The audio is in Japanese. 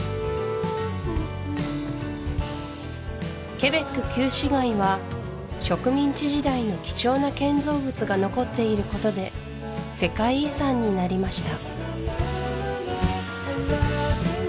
ケベック旧市街は植民地時代の貴重な建造物が残っていることで世界遺産になりました